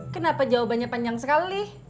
kenapa jawabannya panjang sekali